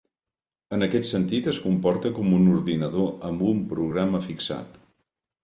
En aquest sentit, es comporta com un ordinador amb un programa fixat.